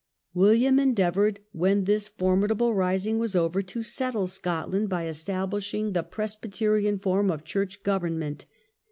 William endeavoured, when this formidable rising was over, to settle Scotland by establishing the Presbyterian form of church govern ment.